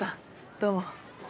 どうも。